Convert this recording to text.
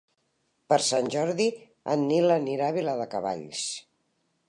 Per Sant Jordi en Nil anirà a Viladecavalls.